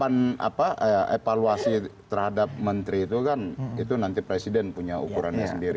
kalau evaluasi terhadap menteri itu kan itu nanti presiden punya ukurannya sendiri